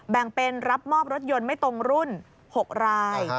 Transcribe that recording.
แบ่งเป็นรับมอบรถยนต์ไม่ตรงรุ่น๖ราย